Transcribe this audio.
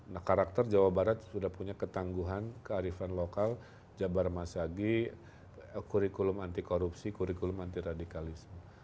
nah karakter jawa barat sudah punya ketangguhan kearifan lokal jabar masyagi kurikulum anti korupsi kurikulum anti radikalisme